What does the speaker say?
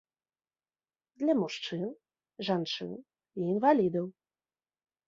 Для мужчын, жанчын і інвалідаў.